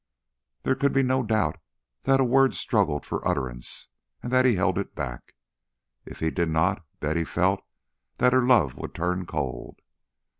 There could be no doubt that a word struggled for utterance, and that he held it back. If he did not, Betty felt that her love would turn cold.